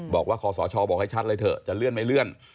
คอสชบอกให้ชัดเลยเถอะจะเลื่อนไม่เลื่อน